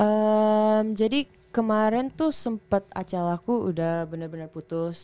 ehm jadi kemarin tuh sempet acl aku udah bener bener putus